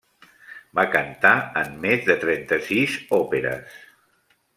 Va cantar en més de trenta-sis òperes.